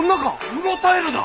うろたえるな。